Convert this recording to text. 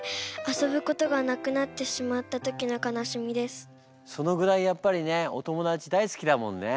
私はそのぐらいやっぱりねお友達大好きだもんね。